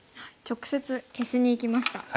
直接消しにいきました。